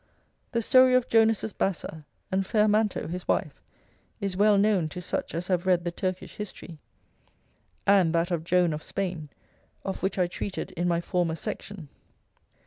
The story of Jonuses Bassa, and fair Manto his wife, is well known to such as have read the Turkish history; and that of Joan of Spain, of which I treated in my former section.